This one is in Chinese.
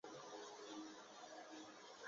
发射器的瞄准具安装在照门座以上。